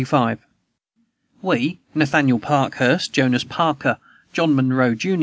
"We, Nathaniel Parkhurst, Jonas Parker, John Munroe, jun.